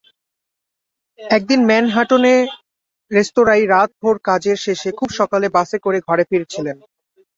একদিন ম্যানহাটনে রেস্তোরাঁয় রাতভর কাজের শেষে খুব সকালে বাসে করে ঘরে ফিরছিলেন।